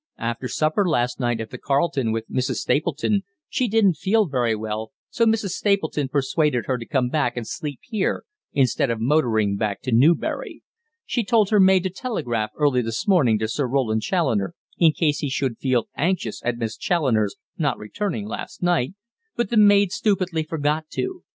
After supper last night at the Carlton with Mrs. Stapleton she didn't feel very well, so Mrs. Stapleton persuaded her to come back and sleep here instead of motoring back to Newbury. She told her maid to telegraph early this morning to Sir Roland Challoner, in case he should feel anxious at Miss Challoner's not returning last night, but the maid stupidly forgot to.